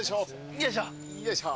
よいしょ。